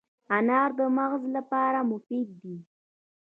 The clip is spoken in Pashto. انار د مغز لپاره مفید دی.